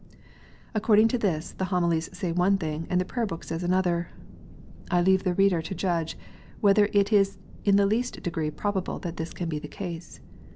According to this, the Homilies say one thing and the Prayer book says another ! I leave the reader to judge whether it is in the least degree probable this can be the case.